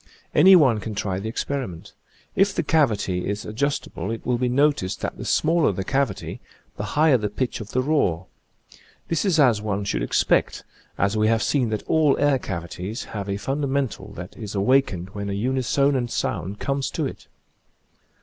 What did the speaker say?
Any one can try the experiment. If the cavity is adjustable it will be noticed that the smaller the cavity the higher the pitch of the roar. This is as one should expect, as we have seen that all air cavities have a fundamental that is awakened when a unisonant sound comes to it.